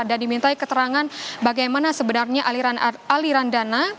dan dimintai keterangan bagaimana sebenarnya aliran dana